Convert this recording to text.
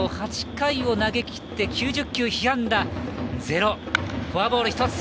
８回を投げて９０球被安打はフォアボール１つ。